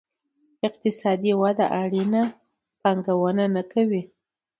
اقتصادي وده اړینه پانګونه نه کوي.